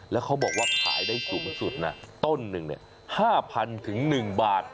แล้วเขาบอกว่าขายได้สูงสุดนะต้นหนึ่ง๕๐๐๑บาท